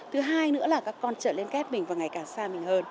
thứ hai nữa là các con trở liên kết mình và ngày càng xa mình hơn